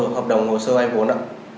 hợp đồng hồ sơ vay bốn